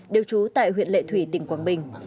đều trú tại huyện lệ thủy tỉnh quảng bình